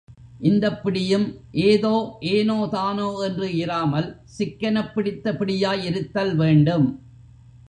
இந்தப் பிடியும் ஏதோ ஏனோ தானோ என்று இராமல் சிக்கெனப் பிடித்த பிடியாய் இருத்தல் வேண்டும்.